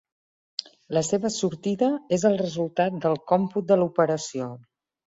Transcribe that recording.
La seva sortida és el resultat del còmput de l'operació.